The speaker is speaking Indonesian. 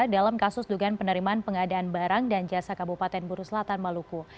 dalam kasus dugaan penerimaan pengadaan barang dan jasa kabupaten buru selatan maluku